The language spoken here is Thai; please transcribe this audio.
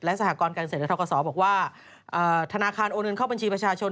สหกรการเกษตรและทกศบอกว่าธนาคารโอนเงินเข้าบัญชีประชาชน